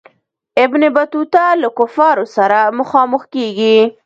ابن بطوطه له کفارو سره مخامخ کیږي.